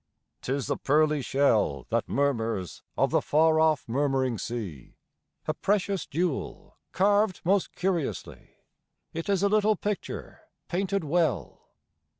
T is the pearly shell That mormnrs of the f ar o£P murmuring sea ; A precious jewel carved most curiously ; It is a little picture painted well.